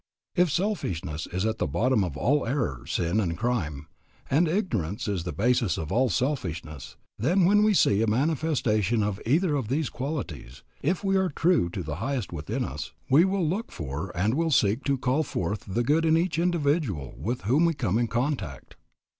If selfishness is at the bottom of all error, sin, and crime, and ignorance is the basis of all selfishness, then when we see a manifestation of either of these qualities, if we are true to the highest within us, we will look for and will seek to call forth the good in each individual with whom we come in contact.